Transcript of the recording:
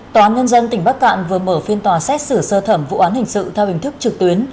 tòa án nhân dân tỉnh bắc cạn vừa mở phiên tòa xét xử sơ thẩm vụ án hình sự theo hình thức trực tuyến